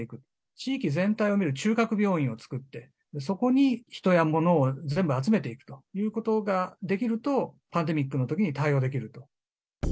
地域全体を見る中核病院を作って、そこに人や物を全部集めていくということができると、パンデミックのときに対応できると。